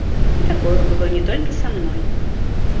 І такое было не толькі са мной.